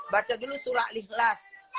baca dulu surat lihlas